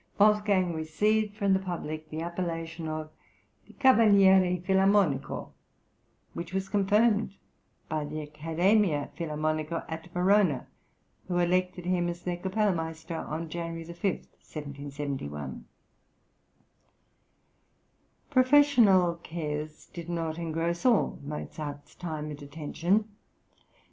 Wolfgang received from the public the appellation of the "Cavaliere Filarmonico," which was confirmed by the Accademia Filarmonica at Verona, who elected him as their kapellmeister on January 5, 1771. Professional cares did not engross all Mozart's time and attention.